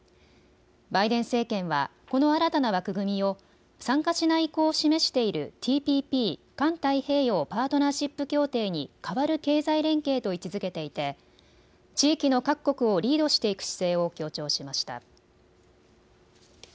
バイデン政権はこの新たな枠組みを参加しない意向を示しているＴＰＰ・環太平洋パートナーシップ協定に代わる経済連携と位置づけていて地域の各国をリードしていく姿勢を強調しました。